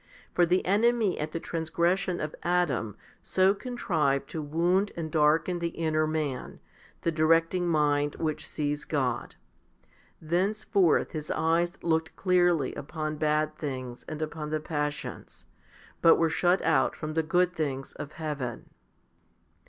For the enemy at the transgression of Adam so contrived to wound and darken the inner man, the directing mind which sees God. 1 Thenceforth his eyes looked clearly upon bad things and upon the passions, but were shut out from the good things of heaven.